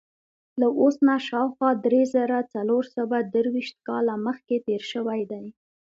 له اوس نه شاوخوا درې زره څلور سوه درویشت کاله مخکې تېر شوی دی.